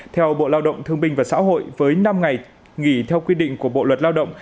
theo bộ lao động thương binh và xã hội với năm ngày nghỉ theo quy định của bộ luật lao động